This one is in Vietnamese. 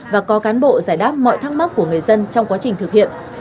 và có cán bộ giải đáp mọi thắc mắc của người dân trong quá trình thực hiện